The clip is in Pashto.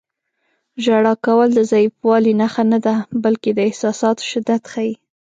• ژړا کول د ضعیفوالي نښه نه ده، بلکې د احساساتو شدت ښيي.